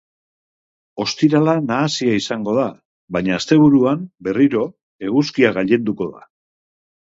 Ostirala nahasia izango da, baina asteburuan, berriro, eguzkia gailenduko da.